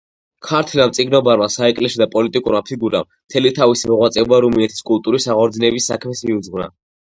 ქართველმა მწიგნობარმა, საეკლესიო და პოლიტიკურმა ფიგურამ, მთელი თავისი მოღვაწეობა რუმინეთის კულტურის აღორძინების საქმეს მიუძღვნა.